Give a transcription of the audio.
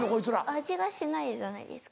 味がしないじゃないですか。